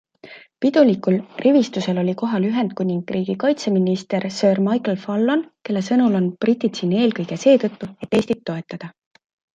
Pidulikul rivistusel oli kohal Ühendkuningriigi kaitseminister Sir Michael Fallon, kelle sõnul on britid siin eelkõige seetõttu, et Eestit toetada.